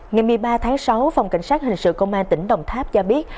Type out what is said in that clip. ngày một mươi ba tháng sáu phòng cảnh sát hình sự công an tỉnh đồng tháp cho biết